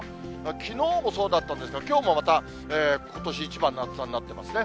きのうもそうだったんですが、きょうもまたことし一番の暑さになってますね。